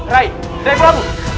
rai rai prabu